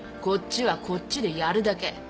こっちはこっちでやるだけ。